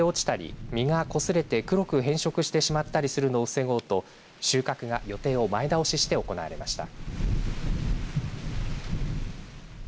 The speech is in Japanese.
そして強風で落ちたり実がこすれて黒く変色してしまったりするのを防ごうと収穫が予定を前倒しして行われました。